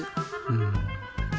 うん。